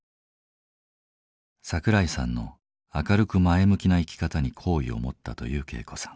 桜井さんの明るく前向きな生き方に好意を持ったという恵子さん。